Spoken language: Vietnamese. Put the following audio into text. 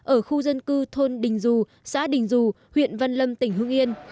ở khu dân cư thôn đình dù xã đình dù huyện văn lâm tỉnh hương yên